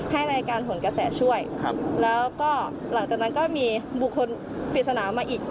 ให้รายการหนกระแสช่วยแล้วก็หลังจากนั้นก็มีบุคคลปริศนามาอีก